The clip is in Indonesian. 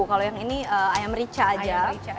kalau yang ini ayam rica aja